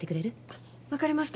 あっ分かりました。